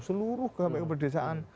seluruh kebanyakan perdesaan